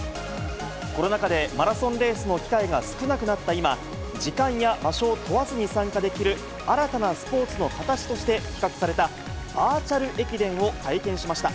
コロナ禍でマラソンレースの機会が少なくなった今、時間や場所を問わずに参加できる、新たなスポーツの形として企画されたバーチャル駅伝を体験しました。